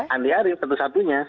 andi harim tentu satunya